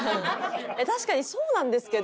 確かにそうなんですけど。